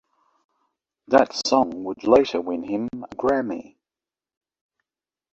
That song would later win him a Grammy.